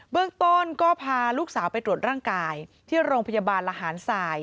เบื้องโตนก็พาลูกสาวไปตรวจร่างกายที่โรงพยาบาลหร